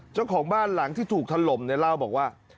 เจ้าของบ้านหลังที่ถูกถล่มเนี่ยเล่าบอกว่า